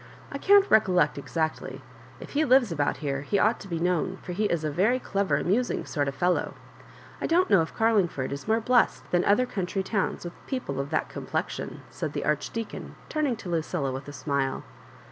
I can't recollect exactly. If he lives about tv^re^ he ought to be known, for he is a very clever amusing sort of a fellow. I don't know if CarUngford is more blessed than oth er country towns with people of that complexion, said the Archdeacon, turning to Lucilla with a smile.